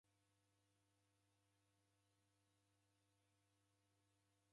W'andu w'engi w'akunde kilongozi m'mbishi.